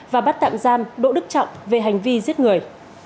và bắt tạm giam đỗ đức trọng về hành vi giết người